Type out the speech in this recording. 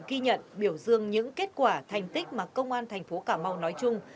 ghi nhận biểu dương những kết quả thành tích mà công an thành phố cà mau nói chung